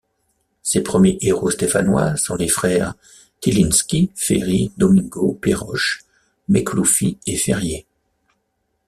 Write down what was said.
Ces premiers héros stéphanois sont les frères Tylinski, Ferry, Domingo, Peyroche, Mekloufi et Ferrier.